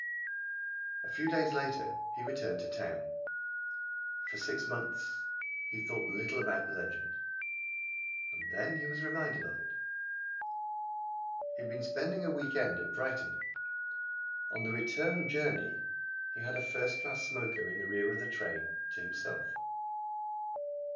A few days later he returned to town. For six months he thought little about the legend. Then he was reminded of it. He had been spending a week end at Brighton. On the return journey he had a first class smoker in the rear of the train to himself.